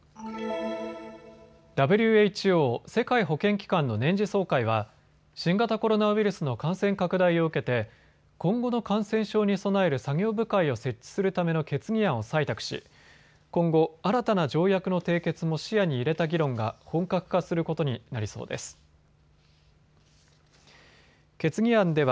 ＷＨＯ・世界保健機関の年次総会は新型コロナウイルスの感染拡大を受けて今後の感染症に備える作業部会を設置するための決議案を採択し、今後、新たな条約の締結も視野に入れた議論が本格化することになりそうです。